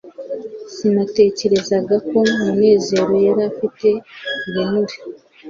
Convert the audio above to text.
sinatekerezaga ko munezero yari afite ibinure